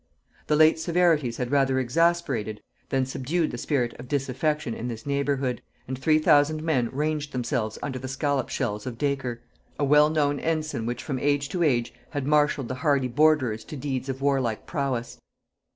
The late severities had rather exasperated than subdued the spirit of disaffection in this neighbourhood, and three thousand men ranged themselves under the scallop shells of Dacre; a well known ensign which from age to age had marshalled the hardy borderers to deeds of warlike prowess.